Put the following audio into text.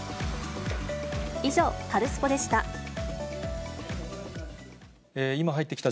以上、カルスポっ！でした。